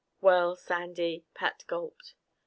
"Well, Sandy " Pat gulped.